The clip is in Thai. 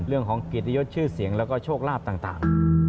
เรื่องของเกียรติยศชื่อเสียงแล้วก็โชคลาภต่าง